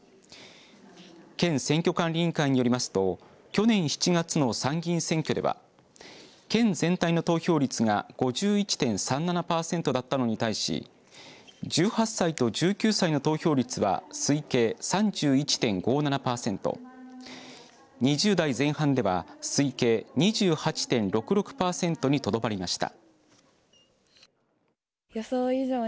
県選挙管理委員会によりますと去年７月の参議院選挙では県全体の投票率が５１．３７パーセントだったのに対し１８歳と１９歳の投票率は推計３１．５７パーセント２０代前半では推計２８．６６パーセントにとどまりました。